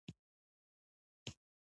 • ته لکه د سپوږمۍ رڼا یې.